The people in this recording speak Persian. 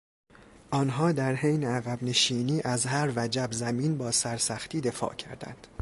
آنها در حین عقبنشینی از هر وجب زمین با سرسختی دفاع کردند.